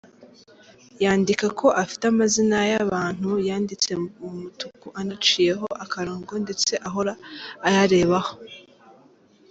Yandikako afite amazina y’abantu yanditse mu mutuku anaciyeho akarongo ndetse ahora ayarebaho.